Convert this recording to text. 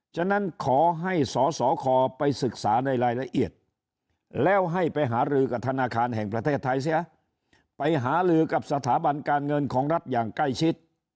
ฉะนั้นขอให้สสคไปศึกษาในรายละเอียดแล้วให้ไปหารือกับธนาคารแห่งประเทศไทยเสียไปหาลือกับสถาบันการเงินของรัฐอย่างใกล้ชิด